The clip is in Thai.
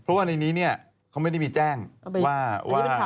เพราะว่าในนี้เขาไม่ได้มีแจ้งว่า